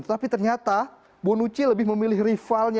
tetapi ternyata bonucci lebih memilih rivalnya